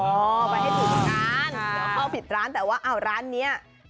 อ๋อว่าให้ถูกก้านแต่ว่าร้านนี้เอาผิดร้าน